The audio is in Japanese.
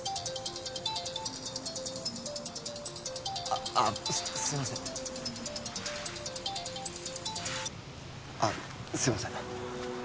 あっああすいませんあっすいません